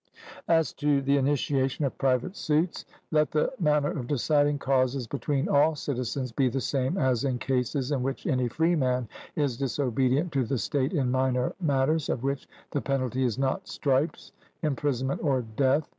As to the initiation of private suits, let the manner of deciding causes between all citizens be the same as in cases in which any freeman is disobedient to the state in minor matters, of which the penalty is not stripes, imprisonment, or death.